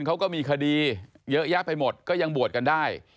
เขาก็มีคดีเยอะแยะไปหมดก็ยังบวชกันได้